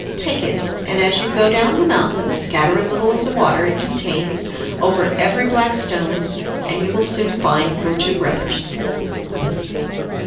Take it, and, as you go down the mountain, scatter a little of the water it contains over every black stone and you will soon find your two brothers."